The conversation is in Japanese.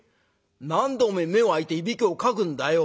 何でおめえ目を開いてイビキをかくんだよ」。